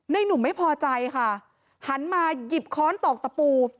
หนุ่มไม่พอใจค่ะหันมาหยิบค้อนตอกตะปู